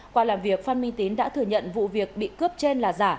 qua làm việc phan minh tín đã thừa nhận vụ việc bị cướp trên là giả